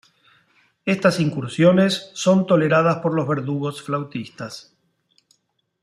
Estas incursiones son toleradas por los verdugos flautistas.